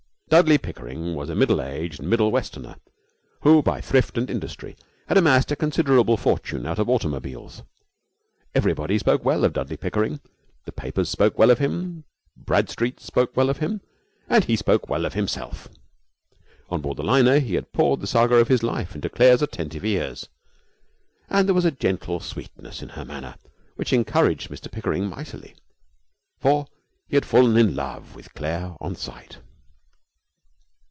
Dudley Pickering was a middle aged Middle Westerner, who by thrift and industry had amassed a considerable fortune out of automobiles. Everybody spoke well of Dudley Pickering. The papers spoke well of him, Bradstreet spoke well of him, and he spoke well of himself. On board the liner he had poured the saga of his life into Claire's attentive ears, and there was a gentle sweetness in her manner which encouraged Mr Pickering mightily, for he had fallen in love with Claire on sight.